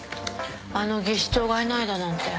あの技師長がいないだなんて。